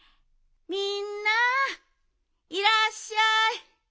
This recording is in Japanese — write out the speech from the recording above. みんないらっしゃい。